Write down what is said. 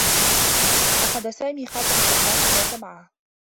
أخذ سامي خاتم الألماس ذاك معه.